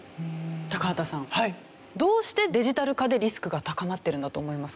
高畑さんどうしてデジタル化でリスクが高まってるんだと思いますか？